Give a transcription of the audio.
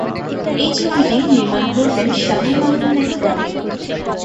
এই ছবিটি নির্মাণ করবেন শামীম আহমেদ রনি।